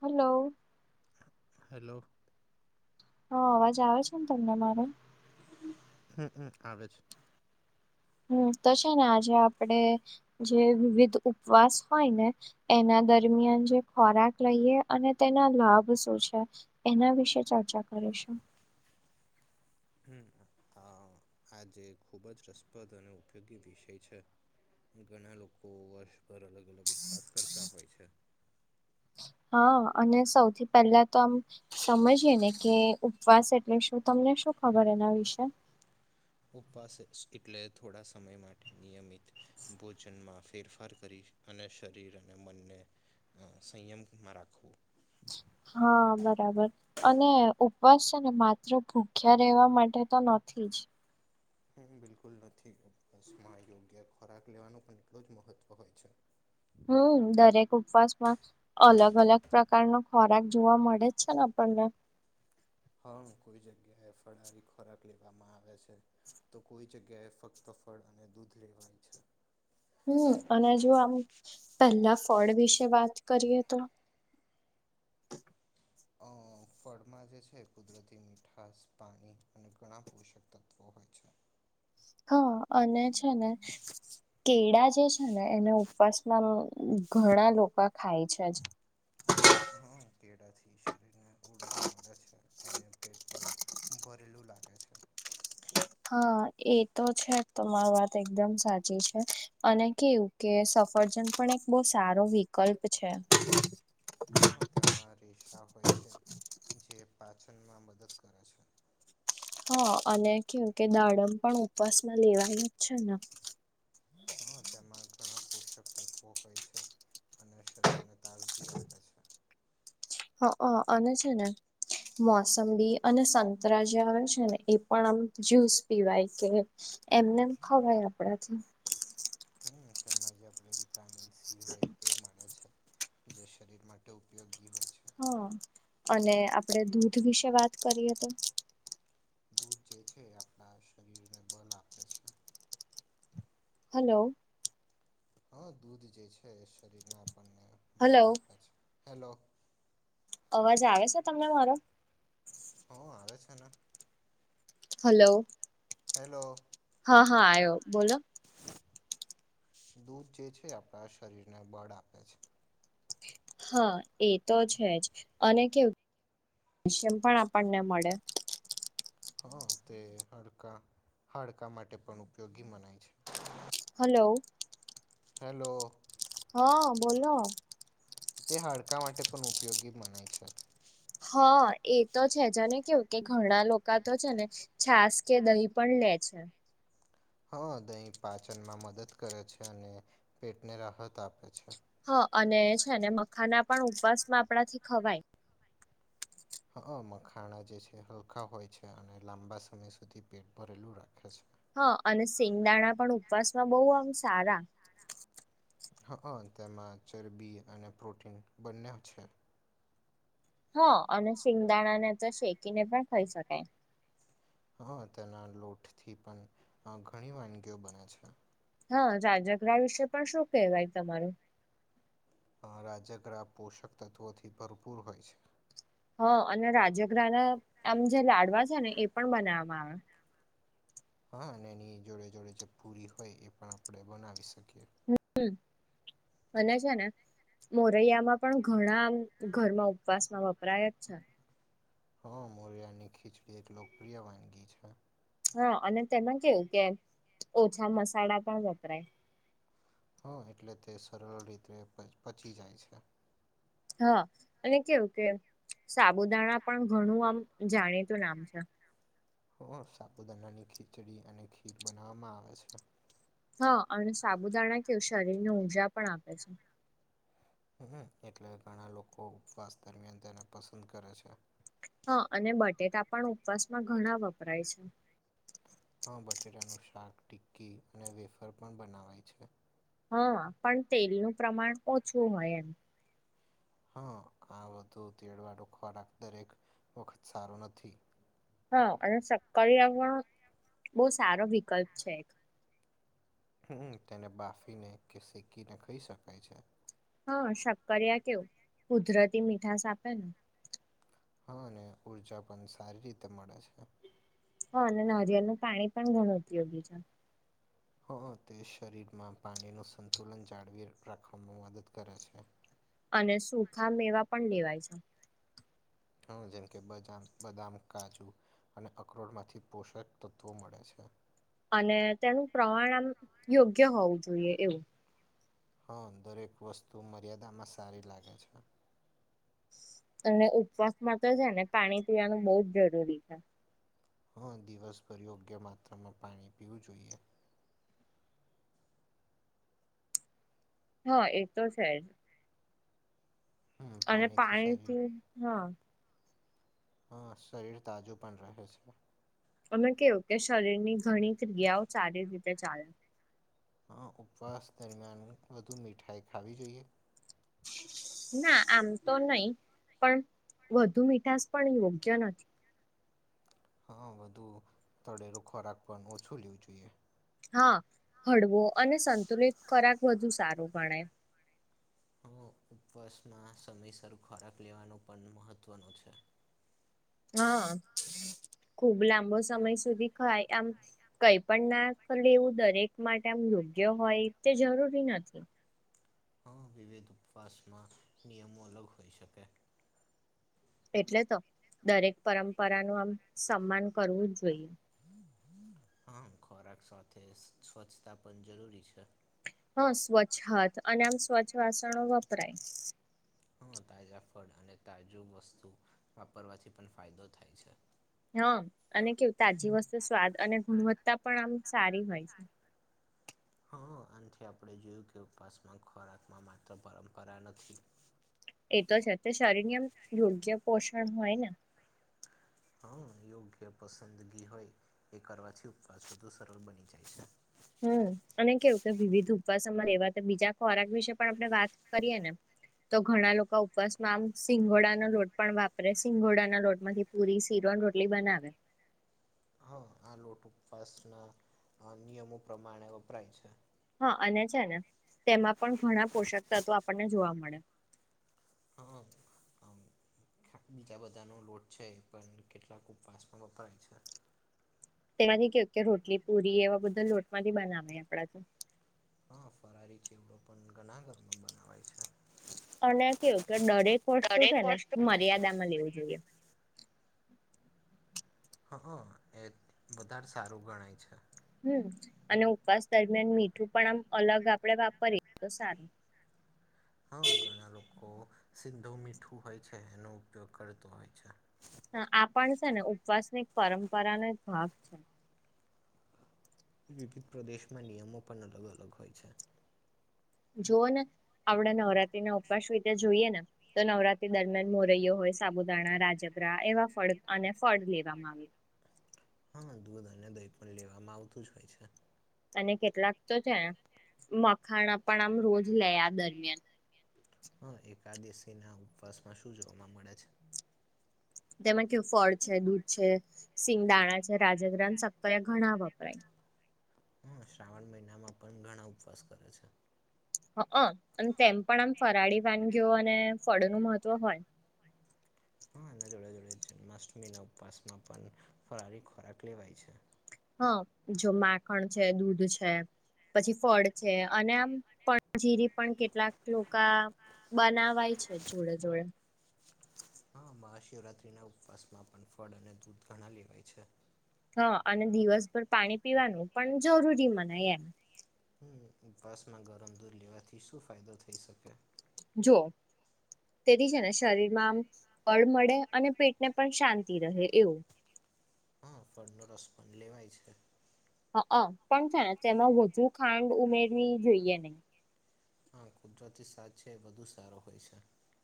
Hello hello. હા અવાજ આવે છે ને તમને મારો? હમ હમ આવે છે. હમ તો છે ને આજે આપડે જે વિવિધ ઉપવાસ હોય ને એના દરમિયાન જે ખોરાક લઈએ અને તેના લાભ શું છે? એના વિશે ચર્ચા કરીશું. હમ, આ આજે ખૂબ જ રસપ્રદ અને ઉપયોગી વિષય છે. ઘણા લોકો વર્ષભર અલગ અલગ ઉપવાસ કરતા હોય છે. હા અને સૌથી પહેલા તો આમ સમજીએ ને કે ઉપવાસ એટલે શું તમને શું ખબર એના વિશે? ઉપવાસ એટલે થોડા સમય માટે નિયમિત ભોજનમાં ફેરફાર કરી અને શરીર અને મનને સંયમ માં રાખવું. હા બરાબર. અને ઉપવાસ છે ને માત્ર ભૂખ્યા રહેેવા માટે તો નથી જ. હ બિલકુલ નથી ઉપવાસમાં યોગ્ય ખોરાક લેવાનું પણ એટલ જ મહત્ત્વ હોય છે. હમ દરેક ઉપવાસમાં અલગ અલગ પ્રકારનો ખોરાક જોવા મળે જ છે ને આપણને. હા કોઈ જગ્યાએ ફળારી ખોરાક લેવામાં આવે છે. તો કોઈ જગ્યાએ ફક્ત ફળ અને દૂધ લેવાય છે. હમ અને જો આમ પહેલા ફડ વિશે વાત કરીએ તો અ ફળમાં જે છે કુદરતી મીઠાશ, પાણી અને ઘણા પોષક તત્ત્વો હોય છે. હા અને છે ને કેળા જે છે ને એને ઉપવાસ માં ઘણા લોકા ખાય છે. હા કેળાથી શરીરને ઉર્જા મળે છે અને પેટ પણ બરેલું લાગે છે. હા એ તો છે તમારી વાત એકદમ સાચી છે અને કેવું કે સફરજન પણ એક બહુ સારો વિકલ્પ છે. હ તેમાં રષા હોય છે જે પાચનમાં મદદ કરે છે. હા અને કેવું કે દાડમ પણ ઉપવાસમાં લેવાઈ જ છે ને? હા તેમાં ઘણા પોષક તત્વો હોય છે. અને શરીરને તાજગી આપે છે. હ અને છે ને મોસંબી અને સંતરા જે આવે છે ને એ પણ આમ જ્યુસ પીવાય કે એમને એમ ખવાય આપડાથી. હમ તેમાં જે આપણે વિટામિન સી હોય એ મળે છે. જે શરીર માટે ઉપયોગી હોય છે. હા અને આપડે દૂધ વિશે વાત કરીએ તો દૂધ જે છે એ આપણા શરીરને બલ આપે છે. હલો. હા દૂધ જે છે એ શરીરને આપણને હલો બળ આપે છે. હેલો. અવાજ આવે છે તમને મારો? હો આવે છે ને. હલો. હેલો. હા હા આયો બોલો. દૂધ જે છે આપણા શરીરને બળ આપે છે. હા એ તો છે જ અને કેવું પણ આપણને મળે. હા તે હાડકા હાડકા માટે પણ ઉપયોગી મનાય છે. હલો. હેલો. હા બોલો. તે હાડકા માટે પણ ઉપયોગી મનાય છે. હા એ તો છે જ ને કેવું કે ઘણા લોકો તો છે ને છાસ કે દહીં પણ લે છે. હા દહીં પાચનમાં મદદ કરે છે અને પેટને રાહત આપે છે. હ અને છે ને મખાના પણ ઉપવાસમાં આપણાથી ખવાય. હ મખાણા જે છે હલકા હોય છે અને લાંબા સમય સુધી પેટ ભરેલું રાખે છે. હા અને સિંગદાણા પણ ઉપવાસમાં બહુ આમ સારા હઅ તેમાં ચરબી અને પ્રોટીન બંને છે. હ અને શિંગદાણા ને તો શેકીને પણ ખઈ શકાય. હા તેના લોટથી પણ ઘણી વાનગીઓ બને છે. હા રાજગરા વિશે પણ શું કેહેવાય તમારું? રાજગ્રહ પોષક તત્ત્વોથી ભરપૂર હોય છે. હ અને રાજગ્રહ ના આમ જે લાડવા છે ને એ પણ બનાવવામાં આવે. હા અને એની જોડે જોડે જે પૂરી હોય એ પણ આપણે બનાવી શકીએ. [unintelligible] અને છે ને મોરૈયામાં પણ ઘણા ઘરમાં ઉપવાસમાં વપરાય જ છે. હા મોરિયાની ખીચડી એક લોકપ્રિય વાનગી છે. હા અને તેમાં કેવું કે ઓછા મસાલા પણ વપરાય હ એટલે તે સરળ રીતે પચી જાય છે. હા અને કેવું કે સાબુદાણા પણ ઘણું આમ જાણીતું નામ છે. હ સાપુદાનાની ખીચડી અને ખીર બનાવવામાં આવે છે. હા અને સાબુદાણા કેવું શરીરને ઊર્જા પણ આપે છે. હ અ એટલે ઘણા લોકો ઉપવાસ દરમિયાન તેને પસંદ કરે છે. હા અને બટેટા પણ ઉપવાસમાં ઘણા વપરાય છે. હા બટેટાનું શાક ટિક્કી અને વેફર પણ બનાવાય છે. હા પણ તેલનું પ્રમાણ ઓછું હોય એમ. હા આ બટુ તેડવાડો ખોરાક દરેક વખત સારું નથી. હા અને સક્કરિયા પણ બહુ સારો વિકલ્પ છે એક. હમ્મ તેને બાફીને કે શેકીને ખાઈ શકાય છે. હા શક્કરિયા કેવું કુદરતી મીઠાસ આપે ને, હા અને ઉર્જા પણ સારી રીતે મળે છે. હા અને નરિયળ નું પાણી પણ ઘણું ઉપયોગી છે. હઅ તે શરીરમાં પાણીનું સંતુલન જાળવી રાખવામાં મદદ કરે છે. અને સુખા મેવા પણ લેવાય છે. હ જેમ કે બદામ, બદામ, કાજુ અને અકરોડમાંથી પોષક તત્વો મળે છે. અને તેનું પ્રમાણ આમ યોગ્ય હોવું જોઈએ એવું. હા દરેક વસ્તુ મર્યાદામાં સારી લાગે છે. અને ઉપવાસ માં તો છે ને પાણી પીવાનું બહું જ જરૂરી છે હ દિવસભર યોગ્ય માત્રામાં પાણી પીવું જોઈએ. હા એ તો છે જ. હમ અને શરીર પાણીથી હા, હા શરીર તાજું પણ રહે છે. અમે કેવું કે શરીર ની ઘણી ક્રિયાઓ સારી રીતે ચાલે. હઅ ઉપવાસ દરમિયાન વધુ મીઠાઈ ખાવી જોઈએ. ના આમ તો નહી, પણ વધુ મીઠાસ પણ યોગ્ય નથી. હા બધું તડેરો ખોરાક પણ ઓછું લેવું જોઈએ. હા હળવો અને સંતુલિત ખોરાક બધુ સારું ગણાય. હ ઉપવાસમાં સમયસર ખોરાક લેવાનું પણ મહત્વનો છે. હન. ખુબ લાંબો સમય સુધી ખાય, આમ કઈ પણ ના લેવું દરેક માટે આમ યોગ્ય હોય તે જરૂરી નથી. હા વિવેિધ ઉપવાસમાં નિયમો અલગ હોઈ શકે એટલે તો દરેક પરંપરા નું આમ સન્માન કરવું જ જોઈએ. આમ ખોરાક સાથે સ્વચ્છતા પણ જરૂરી છે. હ સ્વચ્છ હાથ અને આમ સ્વચ્છ વાસણો વપરાય હ તાજા ફળ અને તાજું વસ્તુ વાપરવાથી પણ ફાયદો થાય છે. હન અને કેવું તાજી વસ્તુ સ્વાદ અને ગુણવત્તા પણ આમ સારી હોય છે. હન આનથી આપડે જોયું કે ઉપવાસમાં, ખોરાકમાં માત્ર પરંપરા નથી. એતો છે. તે શરીરની આમ યોગ્ય પોષણ હોયને હન, યોગ્ય પસંદગી હોય એ કરવાથી ઉપવાસ વધુ સરળ બની જાય છે. હમ, અને કેવું કે વિવિધ ઉપવાસમાં રેવા તાર બીજા ખોરાક વિશે પણ આપણે વાત કરીએને તો ઘણા લોકો ઉપવાસમાં આમ સિંગોડાનો લોટ પણ વાપરે. સિંગોડાના લોટમાંથી પૂરી, સીરો અન રોટલી બનાવે. હન, આ લોટ ઉપવાસના અ નિયમો પ્રમાણે વપરાય છે. હન, અને છે ને તેમાં પણ ઘણા પોષક તત્વો આપડને જોવા મળે. હન, અમ બીજા બધાનો લોઠ છે એ પણ કેટલાક ઉપવાસમાં વપરાય છે. પેલા બી કે અત્યાર રોટલી પુરી એવા બધા લોટમાંથી બનાવે આપડા તો. હન, ફરારી ચેવડો પણ ઘણા ઘરમાં બનાવાય છે. અને કેવું કે દરેક વસ્તુ છે ને મર્યાદામાં લેવું જોઈએ. હ હન, એ વધારે સારું ગણાય છે. હમ, અને ઉપવાસ દરમિયાન મીઠું પણ આમ અલગ આપડે વાપરીએ તો સારું. હન, ઘણા લોકો સિંધવ મીઠું હોય છે એનો ઉપયોગ કરતો હોય છે. હા, આ પણ છે ને ઉપવાસની એક પરંપરાનો એક ભાગ છે. વિવિધ પ્રદેશમાં નિયમો પણ અલગ-અલગ હોય છે. જુઓ ને આપડે નવરાત્રીના ઉપવાસ રીતે જોઈએ ને તો નવરાત્રી દરમિયાન મોરૈયો હોય, સાબુદાણા, રાજગરા એવા ફળ અને ફળ લેવામાં આવે. હન, દૂધ અને દહી પણ લેવામાં આવતું જ હોય છે. અને કેટલાક તો છે ને મખાણા પણ આમ રોજ લે આ દરમિયાન. હન, એકાદશીના ઉપવાસમાં શું જોવામા મળે છે. તેમાં કેવુ ફળ છે, દૂધ છે, સિંગદાણા છે, રાજગરા ન શક્કરિયા ઘણા વપરાય. હન, શ્રાવણ મહિનામાં પણ ઘણા ઉપવાસ કરે છે. હઅ અ અન તેમ પણ આમ ફરાળી વાનગીઓ અને ફળનું મહત્વ હોય. હન, એના જોડે-જોડે જન્માષ્ટમીના ઉપવાસમાં પણ ફરારી ખોરાક લેવાય છે. હન, જો માખણ છે, દૂધ છે પછી ફળ છે અને આમ, પણ જીરી પણ કેટલાક લોકા બનાવાય છે જોડે-જોડે. હન, મહાશિવરાત્રીના ઉપવાસમાં પણ ફળ અને દૂધ ઘણાં લેવાય છે. હન અને દિવસભર પાણી પીવાનું પણ જરૂરી મનાય એમ. હમ, ઉપવાસમાં ગરમ દૂધ લેવાથી શું ફાયદો થઈ શકે? જો તેથી છે ને શરીરમાં આમ બળ મળે અને પેટને પણ શાંતી રહે એવું. હન, ફળનો રસ પણ લેવાય છે. હ અ પણ છે ને તેમાં વધુ ખાંડ ઉમેરવી જોઈએ નઈ. હન, કુદરતી સાદ છે એ વધુ સારો હોય છે.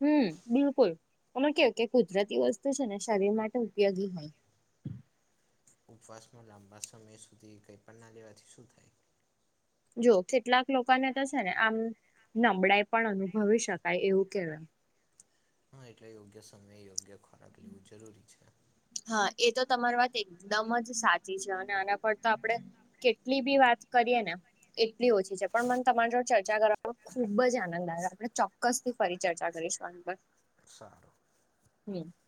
હમ, બિલકુલ એને કેવુ કે કુદરતી વસ્તુ છે ને શરીર માટે ઉપયોગી હોય. ઉપવાસમાં લાંબા સમય સુધી કંઈ પણ ના લેવાથી શું થાય? જો કેટલાક લોકોને તો છે ને આમ નબળાઈ પણ અનુભવી શકાય એવું કેવાય. હન, એટલે યોગ્ય સમયે યોગ્ય ખોરાક લેવું જરૂરી છે. હા એ તો તમારી વાત એકદમ જ સાચી છે અને આના પર તો આપણેે. કેટલી બી વાત કરીએ ને. એટલી ઓછી છે પણ મન તમાર જો ચર્ચા કરવાનો ખુબ જ આનંદ આવે આપડે ચો કસથી ફરી ચર્ચા કરીશું આન પર. સા નુ [unintelligible]